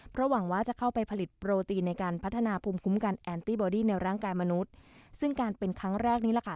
เพราะหวังว่าจะเข้าไปผลิตโปรตีนในการพัฒนาภูมิคุ้มกันแอนตี้บอดี้ในร่างกายมนุษย์ซึ่งการเป็นครั้งแรกนี้แหละค่ะ